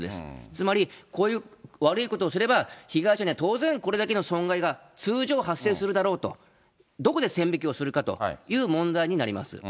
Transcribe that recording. つまり、こういう悪いことをすれば、被害者には当然、これだけの損害が通常発生するだろうと、どこで線引きをするかという問題になります。